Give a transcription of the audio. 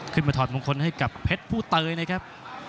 ขึ้นมาถอดมงคลให้กับเพชรพุตเตยนะครับ